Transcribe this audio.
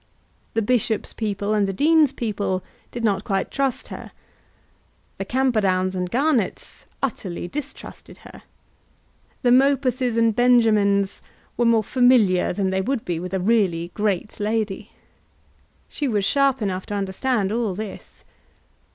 The bishop's people and the dean's people did not quite trust her. The Camperdowns and Garnetts utterly distrusted her. The Mopuses and Benjamins were more familiar than they would be with a really great lady. She was sharp enough to understand all this.